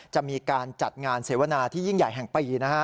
จะมีการจัดงานเสวนาที่ยิ่งใหญ่แห่งปีนะฮะ